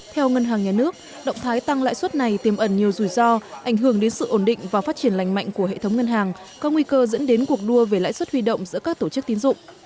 theo ngân hàng nhà nước động thái tăng lãi suất này tiêm ẩn nhiều rủi ro ảnh hưởng đến sự ổn định và phát triển lành mạnh của hệ thống ngân hàng có nguy cơ dẫn đến cuộc đua về lãi suất huy động giữa các tổ chức tín dụng